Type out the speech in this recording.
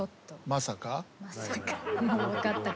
まさか。